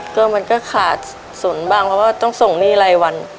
ก็มันก็ขาดศูนย์บ้างเพราะว่าต้องส่งหนี้รายวัน